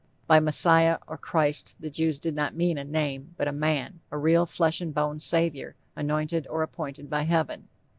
_ By Messiah or Christ the Jews did not mean a name, but a man a real flesh and bone savior, anointed or appointed by heaven.